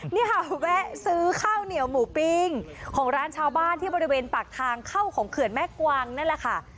นี่ค่ะแวะซื้อข้าวเหนียวหมูปิ้งของร้านชาวบ้านที่บริเวณปากทางเข้าของเขื่อนแม่กวางนั่นแหละค่ะ